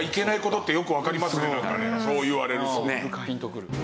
そう言われると。